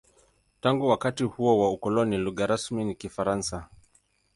Tangu wakati wa ukoloni, lugha rasmi ni Kifaransa.